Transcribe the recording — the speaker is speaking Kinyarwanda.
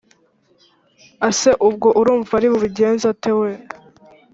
ase ubwo arumva ari bubigenze ate we